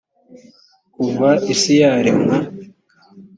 kuva isi yaremwa